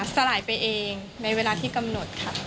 สลายไปเองในเวลาที่กำหนดค่ะ